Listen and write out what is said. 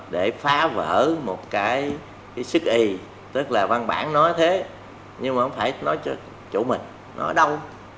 để phá vỡ một cái sức y tức là văn bản nói thế nhưng mà không phải nói cho chủ mình nói đâu